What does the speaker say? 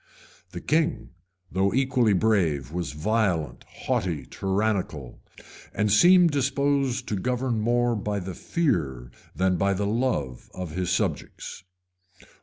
The king, though equally brave, was violent, haughty, tyrannical; and seemed disposed to govern more by the fear than by the love of his subjects.